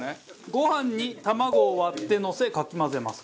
ご飯に卵を割ってのせかき混ぜますと。